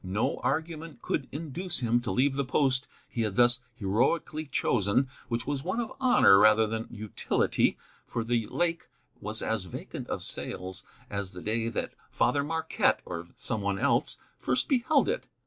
No argument could induce him to leave the post he had thus heroically chosen, which was one of honor rather than utility, for the lake was as vacant of sails as the day that Father Marquette (or some one else) first beheld it.